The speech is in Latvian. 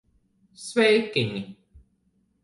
Sveikiņi!